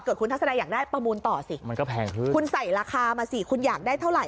คุณทัศนายอยากได้ประมูลต่อสิมันก็แพงขึ้นคุณใส่ราคามาสิคุณอยากได้เท่าไห